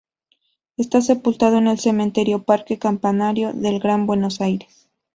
Está sepultado en el cementerio Parque Campanario del Gran Buenos Aires.